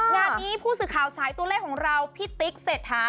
งานนี้ผู้สื่อข่าวสายตัวเลขของเราพี่ติ๊กเศรษฐา